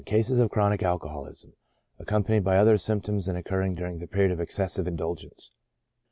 Cases of Chronic Alcoholism^ accompanied by other symptoms^ and occurring during the period of excessive indulgence.